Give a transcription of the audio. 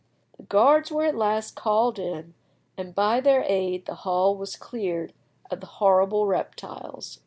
The guards were at last called in, and by their aid the hall was cleared of the horrible reptiles.